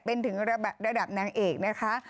เป็นถึงระดับนางเอกนะคะ